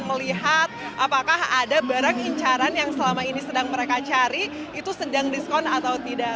melihat apakah ada barang incaran yang selama ini sedang mereka cari itu sedang diskon atau tidak